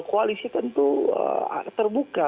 koalisi tentu terbuka